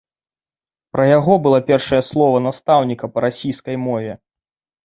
Пра яго было першае слова настаўніка па расійскай мове.